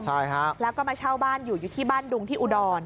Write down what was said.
ใช่ครับและมาเช่าบ้านอยู่ที่บ้านดุงที่อุดร